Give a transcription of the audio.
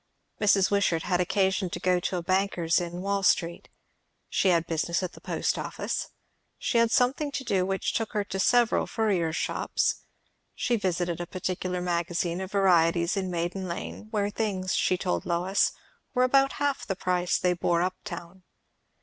Mrs. Wishart had occasion to go to a banker's in Wall Street; she had business at the Post Office; she had something to do which took her to several furrier's shops; she visited a particular magazine of varieties in Maiden Lane, where things, she told Lois, were about half the price they bore up town.